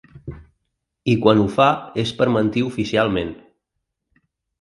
I quan ho fa es per mentir oficialment.